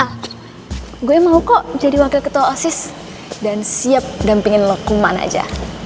al gue mau kok jadi wakil ketua osis dan siap dampingin lo kuman aja